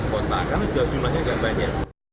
kota kan juga jumlahnya gampang ya